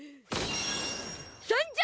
参上！